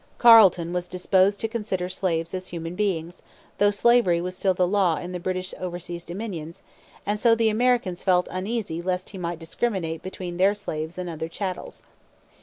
Carleton was disposed to consider slaves as human beings, though slavery was still the law in the British oversea dominions, and so the Americans felt uneasy lest he might discriminate between their slaves and other chattels.